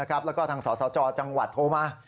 แล้วก็ทางสาธารณ์สาวจอจังหวัดโทรมา